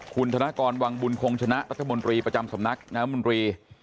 คุณธนกรวังบุญคงชนะรัฐมนตรีประจำสำนักน้ำมนตรี